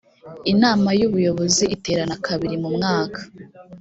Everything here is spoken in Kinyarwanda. inama y ubuyobozi iterana kabili mu mwaka